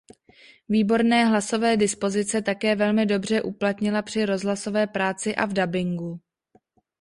Výborné hlasové dispozice také velmi dobře uplatnila při rozhlasové práci a v dabingu.